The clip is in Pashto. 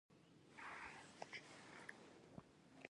په افغانستان کې بادام په پوره ډول شتون لري.